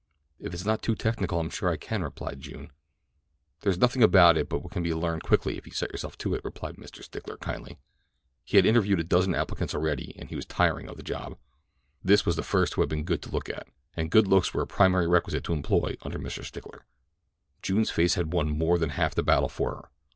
"If it is not too technical I am sure I can," replied June. "There is nothing about it but what you can learn quickly if you set yourself to it," replied Mr. Stickler kindly. He had interviewed a dozen applicants already and he was tiring of the job. This was the first who had been good to look at; and good looks were a primary requisite to employment under Mr. Stickler. June's face had won more than half the battle for her.